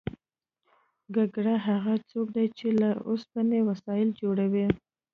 ګګر هغه څوک دی چې له اوسپنې وسایل جوړوي